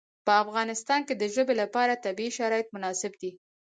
په افغانستان کې د ژبې لپاره طبیعي شرایط مناسب دي.